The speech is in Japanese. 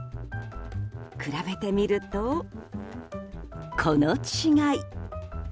比べてみると、この違い。